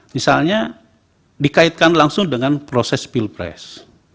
misalnya dikaitkan langsung dengan proses pilpres